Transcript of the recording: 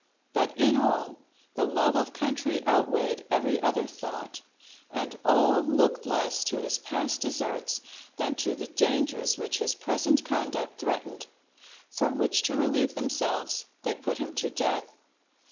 But in all, the love of country outweighed every other thought, and all looked less to his past deserts than to the dangers which his present conduct threatened; from which to relieve themselves they put him to death.